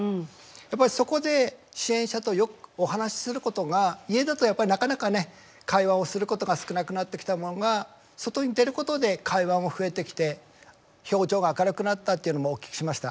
やっぱりそこで支援者とよくお話しすることが家だとやっぱりなかなかね会話をすることが少なくなってきたのが外に出ることで会話も増えてきて表情が明るくなったっていうのもお聞きしました。